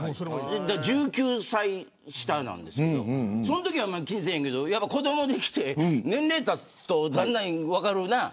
だから１９歳下なんですけどそのときはあんまり気にしないけど子どもができて年齢たつと、だんだん分かるな。